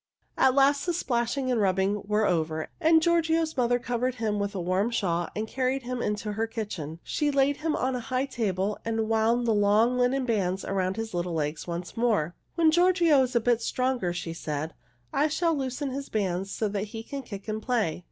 At last the splashing and rubbing were over, and Giorgio's mother covered him with a warm shawl and carried him into her kitchen. She laid him on a high table, and wound the long linen bands around the little legs once more. "When Giorgio is a bit stronger," she said, "I shall loosen his bands so that he can kick and play.